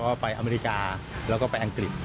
ก็ไปอเมริกาแล้วก็ไปอังกฤษ